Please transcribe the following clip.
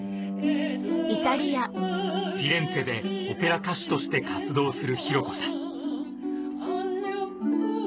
フィレンツェでオペラ歌手として活動する紘子さん